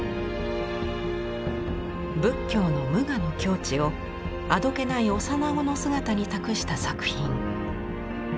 仏教の無我の境地をあどけない幼子の姿に託した作品。